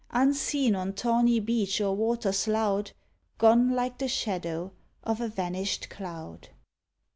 Unseen on tawny beach or waters loud, — Gone like the shadow of a vanished cloud.